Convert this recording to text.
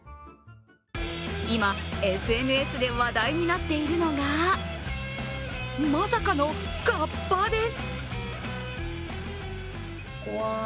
今、ＳＮＳで話題になっているのがまさかのカッパです。